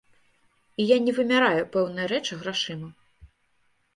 І я не вымяраю пэўныя рэчы грашыма.